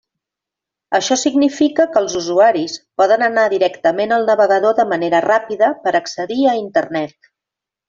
Això significa que els usuaris poden anar directament al navegador de manera ràpida per accedir a Internet.